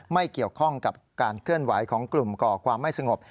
ไม่เกี่ยวข้องกับการเคลื่อนไหวของกลุ่มก่อความไม่สงบ